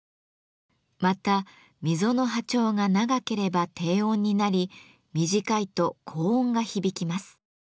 また溝の波長が長ければ低音になり短いと高音が響きます。